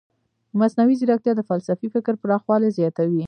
مصنوعي ځیرکتیا د فلسفي فکر پراخوالی زیاتوي.